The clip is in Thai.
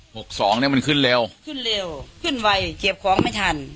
สองเนี้ยมันขึ้นเร็วขึ้นเร็วขึ้นไวเก็บของไม่ทัน